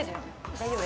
大丈夫。